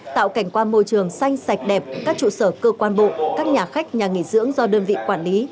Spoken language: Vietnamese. tạo cảnh quan môi trường xanh sạch đẹp các trụ sở cơ quan bộ các nhà khách nhà nghỉ dưỡng do đơn vị quản lý